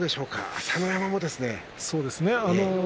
朝乃山もですね。